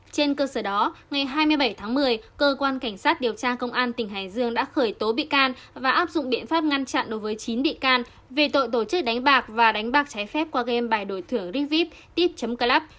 trên cơ sở đó ngày hai mươi bảy tháng một mươi cơ quan cảnh sát điều tra công an tỉnh hải dương đã khởi tố bị can và áp dụng biện pháp ngăn chặn đối với chín bị can về tội tổ chức đánh bạc và đánh bạc trái phép qua game bài đổi thửa rigvip tip club